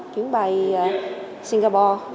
chuyến bay singapore